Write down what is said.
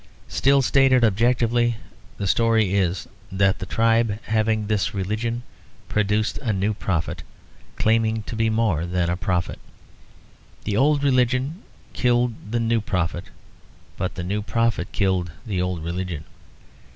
Still stated objectively, the story is that the tribe having this religion produced a new prophet, claiming to be more than a prophet. The old religion killed the new prophet; but the new prophet killed the old religion.